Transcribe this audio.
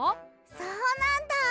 そうなんだ。